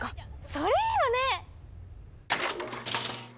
それいいわね！